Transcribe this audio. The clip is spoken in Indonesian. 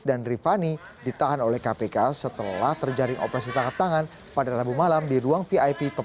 dan rifani ditahan oleh kpk setelah terjadi operasi tangkap tangan pada rabu malam di ruang vip